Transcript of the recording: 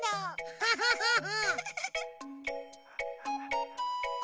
フフフフ。